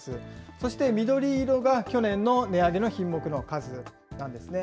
そして緑色が去年の値上げの品目の数なんですね。